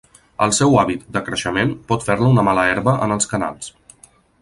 El seu hàbit de creixement pot fer-la una mala herba en els canals.